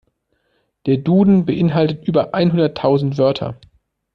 Der Duden beeinhaltet über einhunderttausend Wörter.